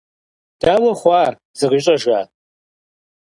Дауэ хъуа, зыкъищӀэжа?